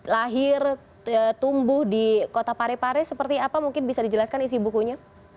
lahir tumbuh di kota parepare seperti apa mungkin bisa dijelaskan isi bukunya